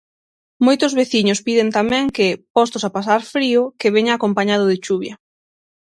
Moitos veciños piden tamén que, postos a pasar frío, que veña acompañado de chuvia.